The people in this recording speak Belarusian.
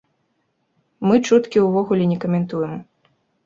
Мы чуткі ўвогуле не каментуем.